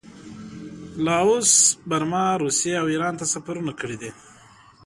لاوس، برما، روسیې او ایران ته سفرونه کړي دي.